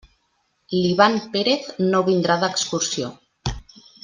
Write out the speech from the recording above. L'Ivan Pérez no vindrà d'excursió.